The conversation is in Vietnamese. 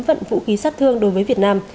vận vũ khí sát thương đối với việt nam